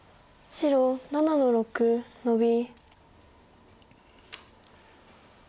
白６の六ノビ。